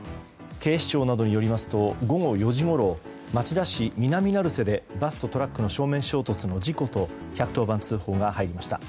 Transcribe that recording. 警視庁などによりますと午後４時ごろ町田市南成瀬でバスとトラックの正面衝突の事故と１１０番通報が入りました。